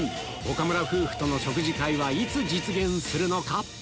岡村夫婦との食事会はいつ実現するのか？